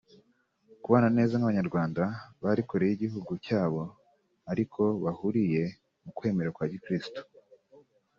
kubana neza nk’Abanyarwanda bari kure y’igihugu cyabo ariko bahuriye mu kwemera kwa gikirisitu